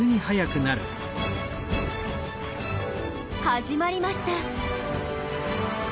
始まりました。